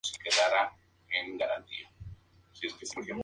Francisco sólo ofició como administrador de Sajonia-Lauenburgo.